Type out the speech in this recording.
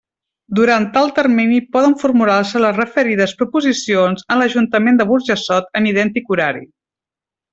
Durant tal termini poden formular-se les referides proposicions en l'Ajuntament de Burjassot en idèntic horari.